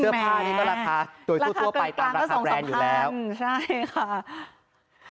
ผ้านี้ก็ราคาโดยทั่วไปตามราคาแบรนด์อยู่แล้วใช่ค่ะ